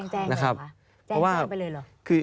แจ้งแจ้งไปเลยเหรอ